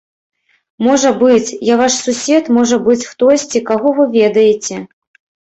Можа быць, я ваш сусед, можа быць, хтосьці, каго вы ведаеце.